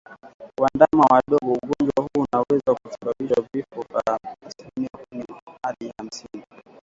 Kwa ndama wadogo ugonjwa huu unaweza kusababisha vifo kwa asilimia kumi hadi hamsini